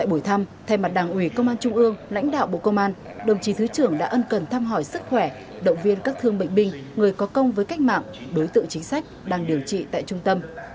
trong thay mặt đảng ủy công an trung ương lãnh đạo bộ công an đồng chí thứ trưởng đã ân cần thăm hỏi sức khỏe động viên các thương bệnh binh người có công với cách mạng đối tượng chính sách đang điều trị tại trung tâm